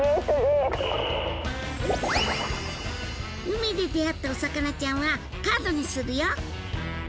海で出会ったお魚ちゃんはカードにするよ！